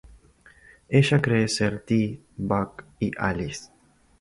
Ella cree ser T, Buck y Alice.